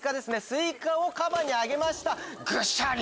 スイカをカバにあげましたぐしゃり！